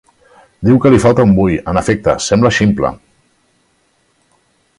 Diu que li falta un bull; en efecte, sembla ximple!